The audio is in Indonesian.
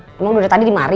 emang udah tadi dimari